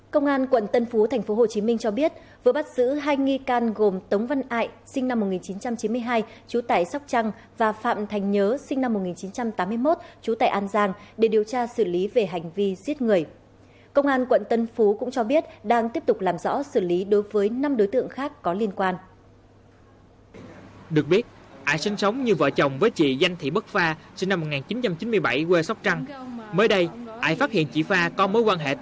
các bạn hãy đăng ký kênh để ủng hộ kênh của chúng mình nhé